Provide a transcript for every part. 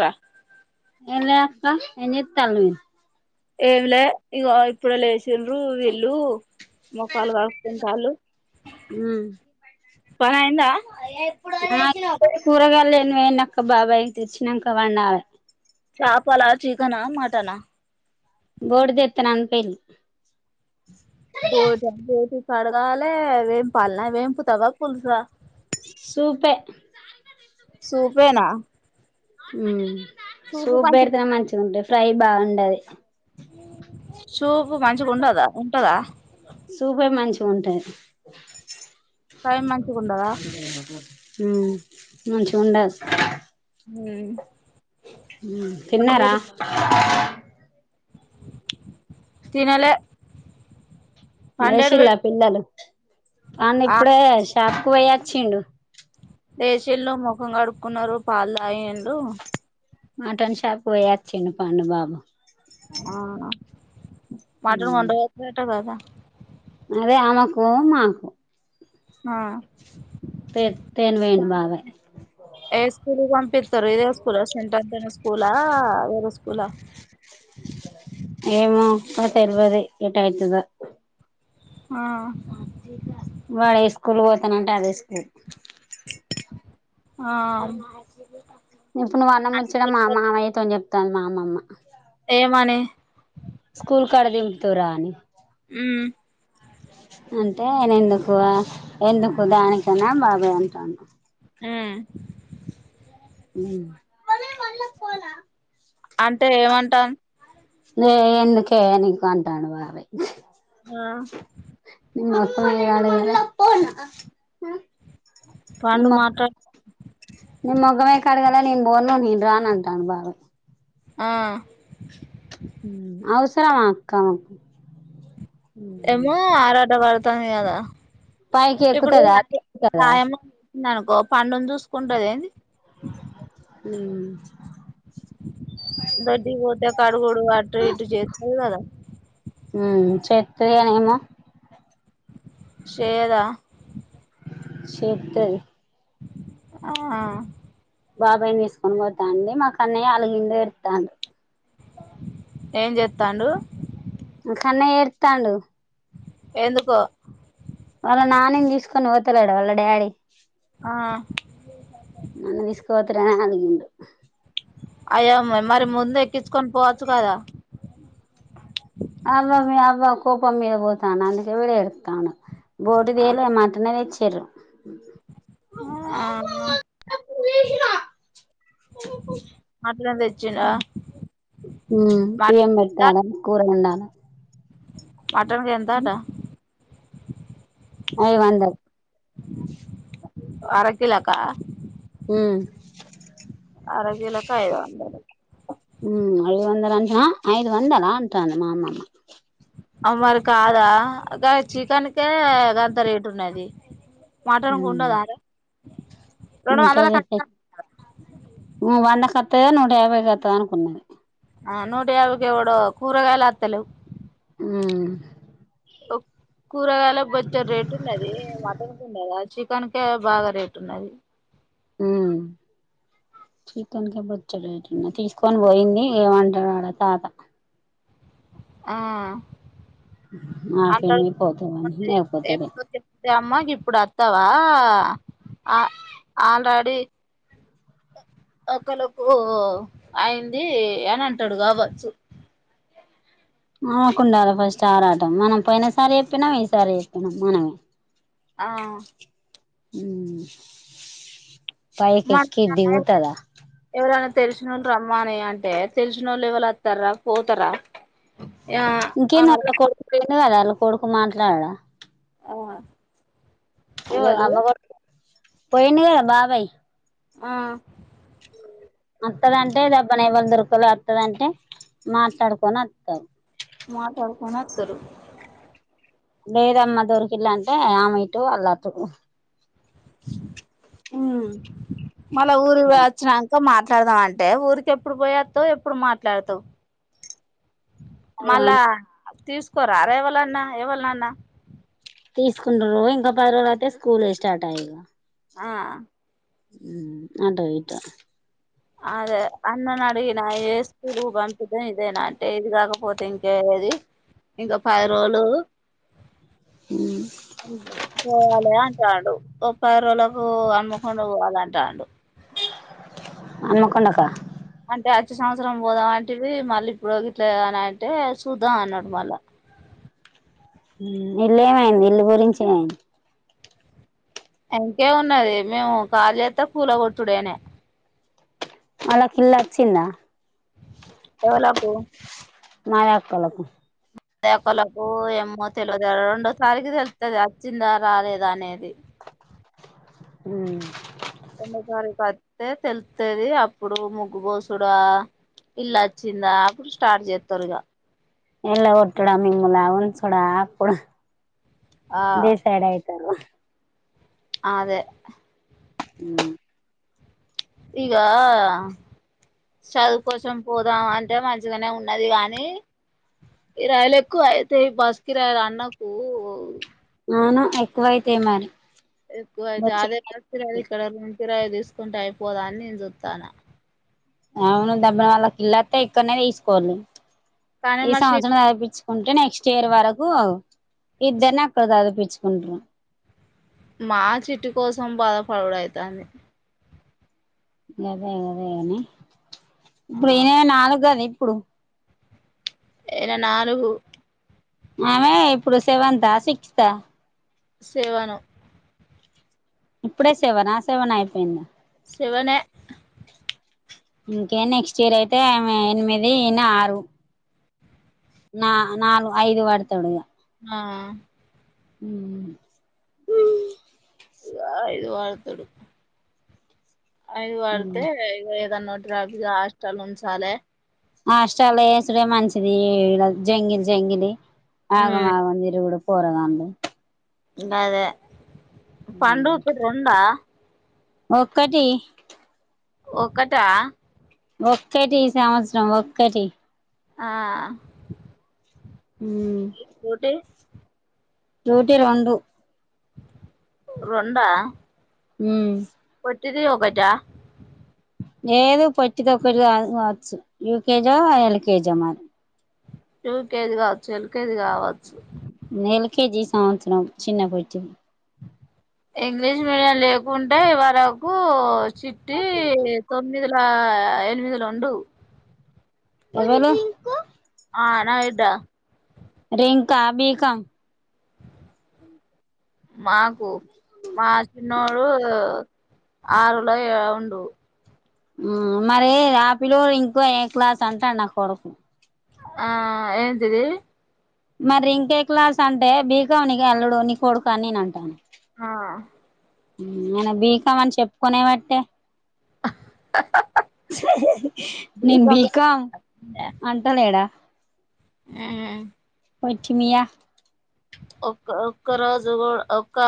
రా ఎలాక్క నేన్ తీత్తాములే ఏమిలే ఇదిగో ఇప్పుడు లేసిండ్రు వీళ్ళు మొఖాలు కడుకుంటాండు మీరు పనైదా అయ ఎప్పుడో జేసినం ేనక్క బాబాయి తేచినక వండాలె చాపాల, చికెనా, మటనా. బోర్డు దతన అను పేలి పోటీ పోటీ కడగాాలి వేం పల్నా వేయింపుతావ పులుసా సూపే సూపెనా ఉ సూపెడితేనే మంచించిదింట ఫ్రై బాగుండది అ సుపు మంచిగా ఉండదా ఉంటదా ఉంటాయి ఫ్రై మంచిగాండదా మంచిగా ఉండదు ఉ తిన్నారా తినలే పండేడు లేషిల్లా పోయిండు పిల్లలు కాని ఆ ఇప్పుడే షాప్కు పోయా చిండు ముంగా కడుక్కున్నారు పాాలయ హ మటన్ సాప్ప ఆచిడు పాడు బబ ఆ మటన్ మ్మ్ కొండతుట కదా అదే ఆమెకు మాకు ఆ తేన్ తేన్ పోండు భావే పెతారు ఇద కురా సెంటటె నెస్ స్కూలా వేర స్కూలా ఏమో అక్క తెలవది ఎట్యతుద ఆ వాళ్ళే స్కూల్ పోతానంటే అదే స్కూల్ ఆ ఇప్పుడు నువ్ అన్నం ముచ్చడం మామయ్యతోోని చెప్ మామమ మానే స్కూల్ కాడ దిపుతువు రా అని ఉ అంటే ఎందుకు ఆ ఎందుకు దానికని బాబాయ్ అంటండు ఉ మమీ మళ్ళ ఫోన్ హ అంటే ఏమంటాను నీ ఎందుకే నీకు అంటాడు బాబాయ్ ఆ మొత్తం ఇయ్యాలే కదా పండు నీమాక్ మాట్లాడు నీ మొకం ఎట్ల కడగలే నేను పోను నేను రాను ఆటండు బాబయ్ హు అవు సరమ అక్క ఎమ్మో ఆరాట పడ్ తాంది కదా పైకి ఇప్పుడు ఎక్కుతదా తిత్తరా ఆయమ్మ అనుకో పండును చూసుకుంటది ఏంది ఉ దొడ్డికి పోతే కాడుగుడు అటు ఇటు చేస్తది కదా హు చెత్తది కానీ ఏమో చేయదా చెత్తది ఆ బాబాయ్ ని తీసుకొని పోతాండి మా కన్నయ్య అలగిిండు పెడతాంది ఏం చెస్తాడు కన్నయ్య అడుత్తండు ఎందుకు నానిని తీసుకొని పోతలేడ వాళ్ళ డాడీ ఆ నన్ను తీసుక అని అలిగిండు అయ్యో మరి ముందు ఎక్కించుకొని పోవచ్చు కదా అవ్వ మీ అవ్వకోపం మీద పోతాను అన్నిక వెడ ఎతను బోటి ఆ తేలే మటన్ ఏ తెచ్చి చర్రు ఆ తెచ్చిండా ఏం మటన్ ఎంత పెట్టాల కూ ఉండాలా మటన్కి ఎంత ఆట అయిదు వందలు అరకీలక హు ఆరోగ్యలకు ఐదు వందలు మ్మ్ ఐదు వందలంట ఐదు వందలా అంటాంది మా అమ్మమ్మ అ మరి కాదా చికెన్కే గంత రేట్ ఉన్నది మటన్ కు మ్మ్ ఉండదారా రెండు వందల ఉంటది కట్ట ఎ వందకత్ తగా నూట యాభై కొత్తనుకున్నది ఆ నూట యాభైకి ఇప్పుడు కూరగాయలు అత్తలేవ్ మ్మ్ కూరగాయల బొచ్చెడ్ రేట్ ఉన్నది, మటన్ కున్నదా చికెన్ కే బాగా రేట్ ఉన్నది ఉమ్ చీకన్కే బొచ్చెడు రేట్ ఉన్నది తీసుకొని పోయింది ఏమంటాడో ఆడ తాత ఆ అంటాడు నాకేమీ పోతావాన్ని అయిపోతాది ఎప్పుడు చెప్తే అమ్మ ఇప్పుడు అత్తావా ఆ ఆల్రెడీ ఒకలకు అయింది అని అంటాడు కావచ్చు ఆమెకుండాలా ఫస్ట్ ఆరాటం మనం పోయిన సారి చెప్పినాం ఈసారి చెప్పినాం మనమే ఆ ఉమ్ పైకి మ ఎక్కి దిగుతదా ఎవరైనా తెలిసినోళ్ళు రమ్మని అంటే తెలిసినోళ్ళు ఎవళత్తర్రా పోతరా ఇంకేంది అల్లా కొడుకు పో డుకద వాళ్ళ కొడుకు మాట్లాడా ఊహా అయ్యో ఆమె కొడ్ పోయిండు కదా బాబై ఆ అత్తదంటే దబ్బున ఎవ్వళ్ దొరకలే అత్తదంటే మాట్లాడుకొని అత్తరు మాట్లాడుకోని వత్తరు లేదమ్మ దొరికిల్లు అంటే ఆమె ఇటు ఆల్లటు మ్మ్ మళ్ళ ఊరురా వచ్చినంక ఇంకా మాట్లాడదాం అంటే ఊరికెప్పుడు పోయత్తవ్ ఎప్పుడు మాట్లాడుతావు అది కాని మళ్ళా తీసుకోరార ఎవళన్నా ఎవలినన్న తీసుకుంటరు ఇంకా పది రోలైయితే స్కూలే స్టార్ట్ అయే ఆ అటో ఇటో అదే అన్నను అడిగిన ఏ స్కూల్కి పంపిద్దం ఇదేనా అంటే ఇది కాకపోతే ఇంకేది ఇంకా పది రోజులు పోవాలే అంటాండు ఒక పది రోజులకు హనమకొండా పోవాలంటాడు హనుమకొండ కా అంటే అచ్చే సంవత్సరం పోదాం వంటివి మళ్ళీ ఇప్పుడు గిట్లగానే అంటే చూద్దాం అన్నాడు మళ్ళా ఇల్లేమైంది ఇల్లు గురించేమైంది ఇంకేమున్నది మేము కాళీ చేత్తే కూల కొట్టుడేనై వాలాకిల్లోచ్చిందా ఎవలకు మాయా కు కలుపు ఒకలకు ఏమో తెలవదు రెండోసారికి తెలుత్తది వచ్చిందా రాలేదా అనేది హ్మ్ రెండో తారీఖు వత్తే తెలుత్తది అప్పుడు ముగ్గుపోసుడా ఇల్లా వచ్చిందా అప్పుడు స్టార్ట్ చేస్తారు ఇక ఎలా ఒట్టడా మమ్ములా ఒందసోడా ఆకుడ ఆ డిసైడ్ అయితారు అదే మ్ ఇక చదువు కోసం పోదాం అంటే మంచిగానే ఉన్నది కాగానీ ఈ రయలకు అయితే ఈ బస్కి రయలు అన్నకు నను ఎక్కువైతే మరి ఎక్కువయితే బొచ్చెడు అదే వ అడ ఉంతరాయిది చూసుకుంటూ అయిపోదా అని నేను చూస్తున్న అవును దబ్బిన వాళ్ళకిిళ్లస్త ఇక్కడనే తీసుకోవాలి కానీ ఈ మా చిట్టి సంవత్సరా చదివి ఉంటే నెక్స్ట్ ఇయర్ వరకు ఇద్దేనే అకదు అద పిచ్చ కొండ మా చెట్టు కోసం బాధ పడవుడ అవుతంది గదే గదేగానే ఆ ఇప్పుడునే నాలుగు అది కుప్పుడు ఏ నాలుగు ఆమెఇప్పుడు సేవంత శిక్షిత సేవను ఇప్పుడే సేవన్ ఆ సేవన్ అయిపోయింది సివన ఇంకే నెక్స్ట్ ఇయర్ అయితే ఎనిమిది ఆరు నా నాలుగు ఐదు వాడు తడుగా ఆ మ్ ఇది ఇది వళత ఎడుకు అఐది వాడుతే ఇ ఏదా నో విగా హాస్టల్ ఉంచాలి ఆ అష్ట అలాేసుడే మంచిది ఇ జంగిల్ జంగిలి ఆగ ఆగ నిరుగుడు కూరగాడి అ అదే పండువుఊతుడు రెండా ఒక్కటీ ఒకటా ఒక్కటి సంవత్సరం ఒక్కటి ఆ మ్మ్ ఒటే నూటి రెండు రొండా మ్మ్ తిది ఒగటా లేదు పొట్టిదొక్కటిగాదు కావచ్చు యూకేజో ఎల్కేజొ మరి యూకేజి కావచ్చు ఎల్ యుకేజి కావచ్చు ఎల్కేజీ సంవత్సరం చిన్న బుజ్జి ఇంగ్లీష్ మీడియం లేకుంటె వరకూ చిట్టీ తొమ్న్మిదిల ఆ ఎనిమిదల ఉండు ఎవలు ఆ నా విడ్డ రింకా బీకాం మాకు మా చిన్నోడూ ఆరులొ ఎ ఉండు మరీ ఆపిలొ ఇంకొ ఏ క్లాస్ అంటాండ నా కొడుకు ఆ ఏంటిదీ మరి ఇంకే క్లాస్ అంటే బీకం నీ అల్లుడు నీ కొడుకని నేను అంటానా ఆ మ్మ్ అన బీకమని చెప్పుకొనే వట్టే నేను బీకాం అంటలేడా మ్ పొట్టి మ్యా ఒక్క ఒక్క రోజు కూడా ఒక్కా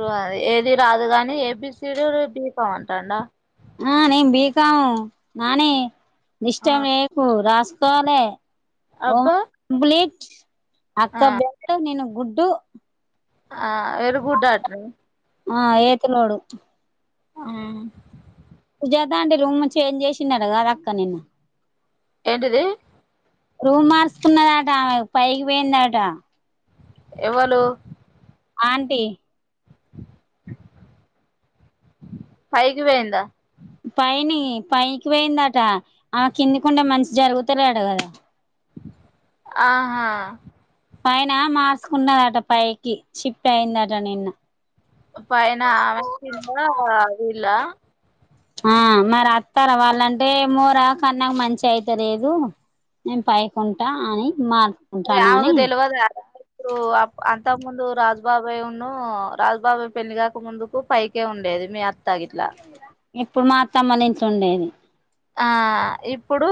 రా ఏది రాదు కాని ఏ బి సీడులు బీపం అంటాండ ఆ నేన్ బీకాం నానీ డిస్టబ్ చేయకు రాస్ తోనే ఓ అబ్బా అంబలీక్ అక్క బె [inaudible] నను ఉడ్డు ఆ వెరి గుడ్ అటనే ఆ ఏతులోడు ఆ జెదా ఆంటి రూమ్ చేంజ్ చేసిందట కాద అక్క నిన్ను ఏంటది రూ మార్చుకున్నదా ఆట ఆమె పైకి పోయింద ఆట ఎవలు ఆంటీ పైకి పోయిందా పైని పైకి పోయిందట ఆ కింది కుండే మన్షి జరుగుతాలేడు కదా. ఆహా పైన మార్చుకున్నదట పైకి షిఫ్ట్ అయిందట నిన్న పైన ఆ వచ్చండ వీళ్ళా ఆ మరి అత్తారా వాళ్ళంటే మూర కన్నా మంచి అయితా లేదు. నేను పైకుంటా అని మ అరే ఆవకు తెలివదా రు అప్ అం ఇంత ముందు రాజుబాబాయ ఉన్ను రాజుబాబాయ్ పెళ్లిగాక ముందుకు పైకే ఉండేది. మీ అత్తా గిట్లా ఇప్పుడు మాత్తమ్మనించి ఉండేది. ఆ ఇప్పుడు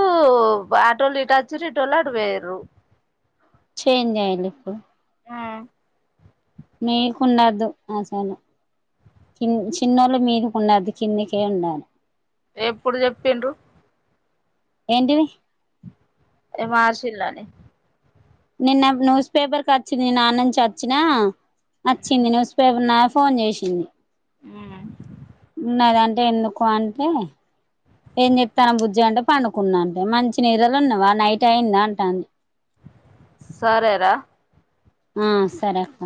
ఆటోళ్ళు ఇటొచ్చురు ఇటోళ్ళు అటుపొయురు. చేంజ్య్ంది ఇప్ మీకు ఉండదు. అసలు కి చిన్నోళ్ళు మీకు ఉండదు కిందికే ఉండాలె ఎప్పుడు చెప్పిండ్రు. ఏంటిది. ఏ మార్సిండని నిన్న న్యూస్ పేపర్కి వచ్చింది. నే ఆన్ననుంచి వచ్చిన అచ్చింది న్యూస్ పేపర్ నా ఫోన్ చేసింది. నదన్ అంటే ఎందుకు అంటే ఏం చెప్తాను. బుజ్జీ అంటే పనుకున్నా అంటే మంచి నీరలో ఉన్నావా నైట్ అయిందా అంటాంది. సరేరా ఆ సరే అక్క